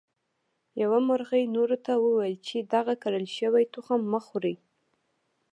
یوه مرغۍ نورو ته وویل چې دغه کرل شوي تخم مه خورئ.